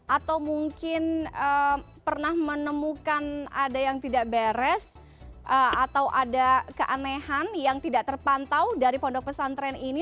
atau mungkin pernah menemukan ada yang tidak beres atau ada keanehan yang tidak terpantau dari pondok pesantren ini